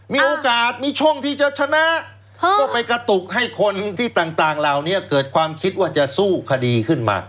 มีโอกาสมีช่องที่จะชนะก็ไปกระตุกให้คนที่ต่างเหล่านี้เกิดความคิดว่าจะสู้คดีขึ้นมา